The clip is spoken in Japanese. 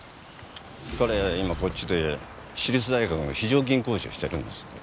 彼今こっちで私立大学の非常勤講師をしてるんです。